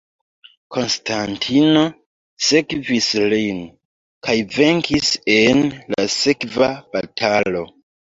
Konstantino sekvis lin, kaj venkis en la sekva batalo.